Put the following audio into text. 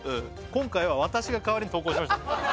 「今回は私が代わりに投稿しました」